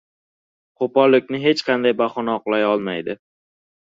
Qo‘pollikni hech qanday bahona oqlay olmaydi.